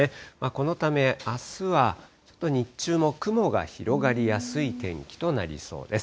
このため、あすはちょっと日中も雲が広がりやすい天気となりそうです。